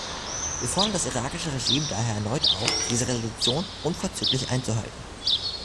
Wir fordern das irakische Regime daher erneut auf, diese Resolutionen unverzüglich einzuhalten.